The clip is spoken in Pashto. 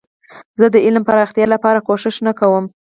زه د علم د پراختیا لپاره کوښښ نه کوم.